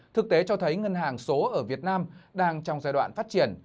thực tế cho thấy ngân hàng số ở việt nam đang trong giai đoạn phát triển